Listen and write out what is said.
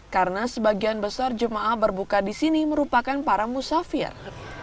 karena sebagian besar jemaah berbuka di sini merupakan para musafir